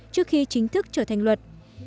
trước khi chính thức trở thành luật